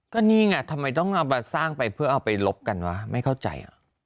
ก็นี่ไงทำไมต้องเอามาสร้างไปเพื่อเอาไปลบกันวะไม่เข้าใจ